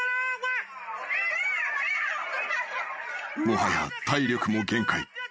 ［もはや体力も限界］